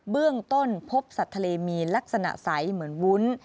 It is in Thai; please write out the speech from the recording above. เบื้องต้นพบสัตว์ทะเลมีลักษณะใสเหมือนวุ้น